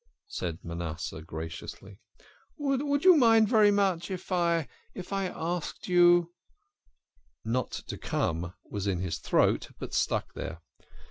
said Manasseh graciously. " Would you mind very much if I if I asked you '" Not to come," was in his throat, but stuck there.